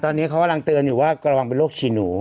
ตอนนี้เขากำลังเตือนอยู่ว่าระวังเป็นโรคฉี่หนู